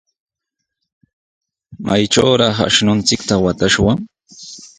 ¿Maytrawraq ashnunchikta watashwan?